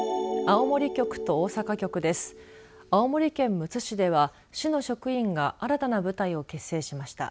青森県むつ市では市の職員が新たな部隊を結成しました。